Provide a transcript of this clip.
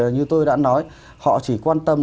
như tôi đã nói họ chỉ quan tâm